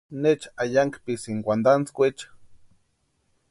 Necha ayankpisïni wantantskwaecha.